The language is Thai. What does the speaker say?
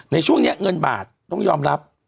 ในช่วงนี้เงินบาทต้องยอมรับ